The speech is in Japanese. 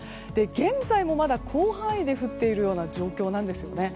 現在もまだ広範囲で降っている状況なんですね。